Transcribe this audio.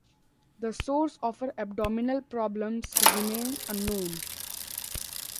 The source of her abdominal problems remains unknown.